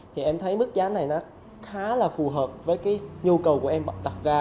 thì em thấy mức giá này nó khá là phù hợp với cái nhu cầu của em đặt ra